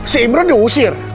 si imron diusir